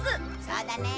そうだね。